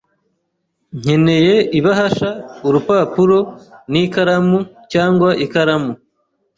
Nkeneye ibahasha, urupapuro, n'ikaramu cyangwa ikaramu.